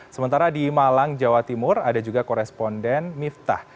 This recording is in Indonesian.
sementara di malang jawa timur ada juga koresponden miftah